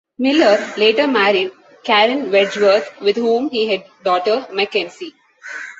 Miller later married Karen Wedgeworth, with whom he had daughter McKensie.